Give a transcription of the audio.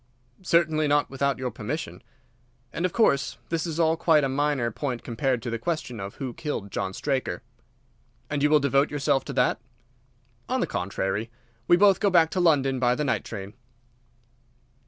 "Certainly not without your permission." "And of course this is all quite a minor point compared to the question of who killed John Straker." "And you will devote yourself to that?" "On the contrary, we both go back to London by the night train."